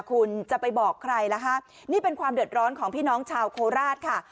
คุณจะไปบอกใครล่ะฮะนี่เป็นความเดือดร้อนของพี่น้องชาวโคราชค่ะ